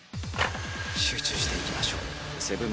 集中していきましょう。